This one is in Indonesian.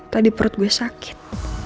tadi perut gue sakit